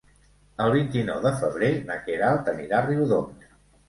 El vint-i-nou de febrer na Queralt anirà a Riudoms.